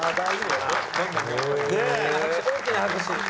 大きな拍手。